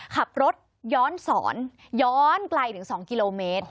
ขับรถย้อนสอนย้อนไกลถึง๒กิโลเมตร